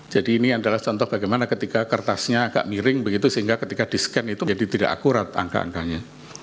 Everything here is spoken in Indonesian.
jadi ini adalah contoh bagaimana ketika kertasnya agak miring begitu sehingga ketika di scan itu jadi tidak akurat angka angkanya